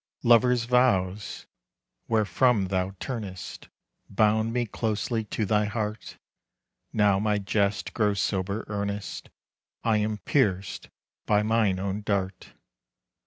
Lovers' vows, wherefrom thou turnest, Bound me closely to thy heart, Now my jest grows sober earnest, I am pierced by mine own dart.